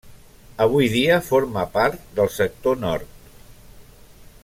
Avui dia forma part del sector nord.